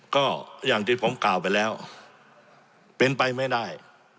ก็อย่างที่ผมกล่าวไปแล้วเป็นไปไม่ได้